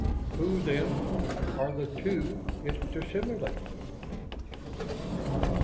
"Who, then, are the two its to simulate?"